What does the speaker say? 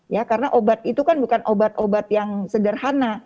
ya karena obat itu kan bukan obat obat yang sederhana